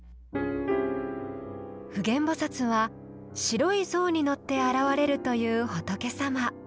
普賢菩薩は白い象に乗って現れるという仏様。